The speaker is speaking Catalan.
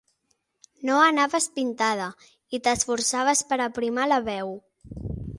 No anaves pintada i t'esforçaves per aprimar la veu.